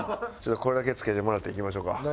ちょっとこれだけつけてもらって行きましょうか。